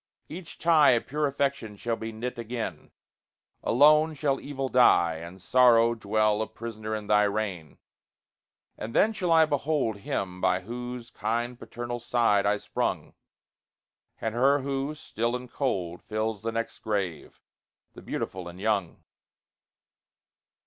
Each tie Of pure affection shall be knit again: Alone shall Evil die, And sorrow dwell a prisoner in thy reign. And then shall I behold Him by whose kind paternal side I sprung; And her who, still and cold, Fills the next grave the beautiful and young.